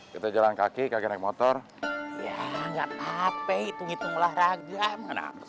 kita jalan kaki kaget naik motor ya nggak apa apa itu ngitunglah ragam